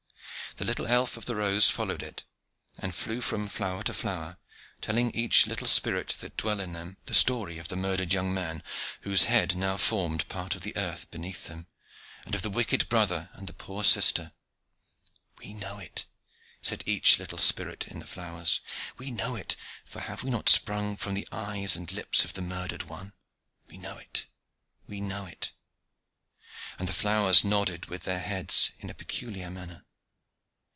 The little elf of the rose followed it, and flew from flower to flower, telling each little spirit that dwelt in them the story of the murdered young man, whose head now formed part of the earth beneath them, and of the wicked brother and the poor sister. "We know it," said each little spirit in the flowers, "we know it, for have we not sprung from the eyes and lips of the murdered one. We know it, we know it," and the flowers nodded with their heads in a peculiar manner.